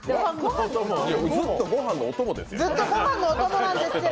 ずっとご飯のお供ですよ。